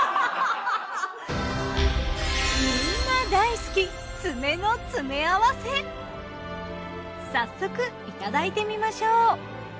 みんな大好き早速いただいてみましょう。